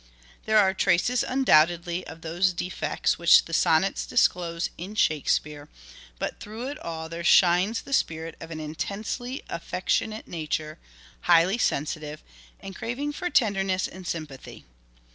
There are traces undoubtedly of those defects which the sonnets disclose in " Shakespeare," but through it all there shines the spirit of an intensely affectionate nature, highly sensitive, and craving for tenderness and sympathy.